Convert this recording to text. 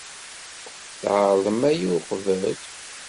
Tɛerḍem aya uqbel?